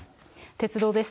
鉄道です。